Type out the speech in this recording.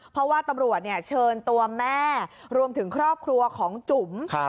เพราะว่าตำรวจเชิญตัวแม่รวมถึงครอบครัวของจุ๋ม